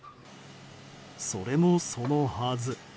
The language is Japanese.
それもそのはず。